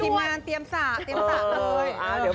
ทีมงานเตียมสะเลย